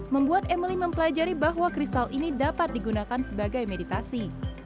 membuat emily mempelajari bahwa kristal ini dapat digunakan sebagai meditasi